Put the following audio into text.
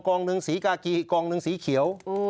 องหนึ่งสีกากีอีกกองหนึ่งสีเขียว